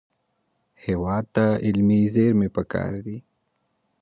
هېواد ته علمي زېرمې پکار دي